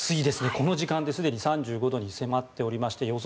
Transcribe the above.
この時間ですでに３５度に迫っておりまして予想